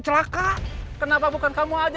celaka kenapa bukan kamu aja